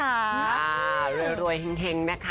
อ่าเรียบรวยแห่งนะคะ